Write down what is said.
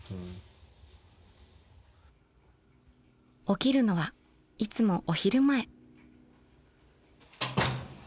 ［起きるのはいつもお昼前］